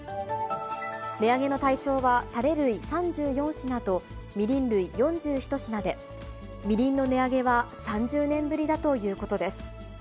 値上げの対象は、たれ類３４品とみりん類４１品で、みりんの値上げは３０年ぶりだということです。